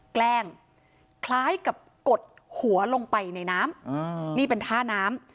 แกล้งคล้ายกับกดหัวลงไปในน้ำนี่เป็นท่าน้ำ